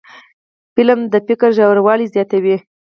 فلم د فکر ژوروالی زیاتوي